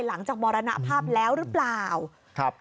หลังจากมรณภาพแล้วหรือเปล่าครับ